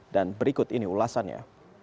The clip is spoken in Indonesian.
dan berikut ini ulasannya